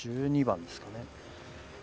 １２番ですかね。